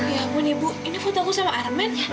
ya ampun ibu ini foto aku sama arman ya